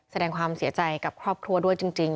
แสดงความเสียใจกับครอบครัวด้วยจริง